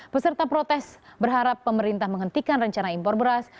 peserta protes berharap pemerintah menghentikan rencana impor beras